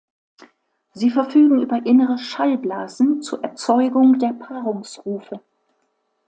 Sie verfügen über innere Schallblasen zur Erzeugung der Paarungsrufe.